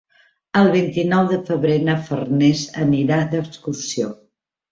El vint-i-nou de febrer na Farners anirà d'excursió.